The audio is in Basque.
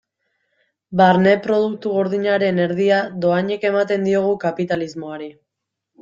Barne Produktu Gordinaren erdia dohainik ematen diogu kapitalismoari.